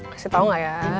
kasih tau gak ya